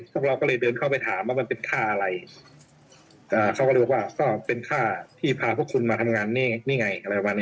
พวกเราก็เลยเดินเข้าไปถามว่ามันเป็นค่าอะไรเขาก็เลยบอกว่าเป็นค่าที่พาพวกคุณมาทำงานนี่ไง